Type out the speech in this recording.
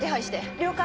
了解！